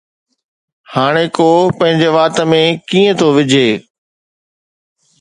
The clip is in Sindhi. ھاڻي ڪو پنھنجي وات ۾ ڪيئن ٿو وجھي؟